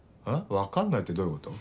わかんないってどういう事？